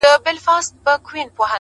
شپه كي هم خوب نه راځي جانه زما ـ